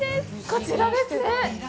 こちらですね！